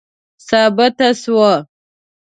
ثابته سوه.